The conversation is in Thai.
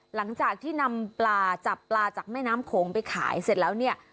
หลังจากที่นำปลาจับปลาจากแม่น้ำโขงไปขายเสร็จแล้วเนี่ย